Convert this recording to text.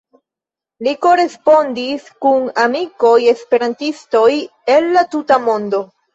Li korespondis kun amikoj-esperantistoj el la tuta mondo.